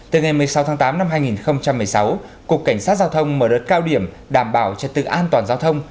từ ngày một mươi sáu tháng tám năm hai nghìn một mươi sáu cục cảnh sát giao thông mở đợt cao điểm đảm bảo trật tự an toàn giao thông